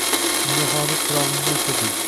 — Nega hozir chirog‘ingni o‘chirding?